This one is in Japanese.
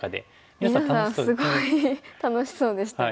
皆さんすごい楽しそうでしたよね。